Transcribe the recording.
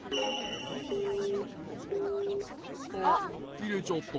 きれちゃった。